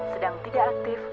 sedang tidak aktif